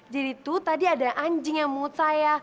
jadi tuh tadi ada anjing yang memut saya